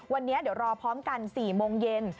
วันนี้เดี๋ยวรอพร้อมกัน๔โมงเย็น